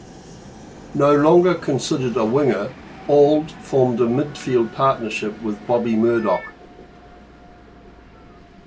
No longer considered a winger, Auld formed a midfield partnership with Bobby Murdoch.